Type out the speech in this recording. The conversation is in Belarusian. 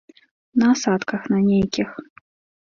На асадках на нейкіх.